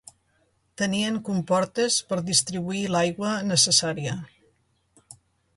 Tenien comportes per distribuir l'aigua necessària.